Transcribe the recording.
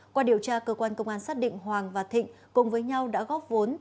qua điều tra cơ quan công an xác định hoàng và thịnh cùng với nhau đã góp vốn